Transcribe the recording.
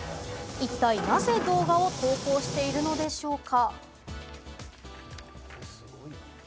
一体、なぜ動画を投稿しているのでしょうか？